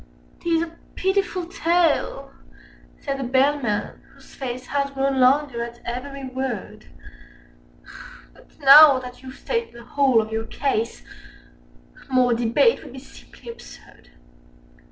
"'Tis a pitiful tale," said the Bellman, whose face Â Â Â Â Had grown longer at every word: "But, now that you've stated the whole of your case, Â Â Â Â More debate would be simply absurd.